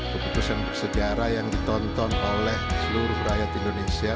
keputusan bersejarah yang ditonton oleh seluruh rakyat indonesia